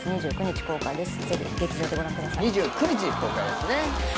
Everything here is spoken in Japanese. ２９日公開ですね。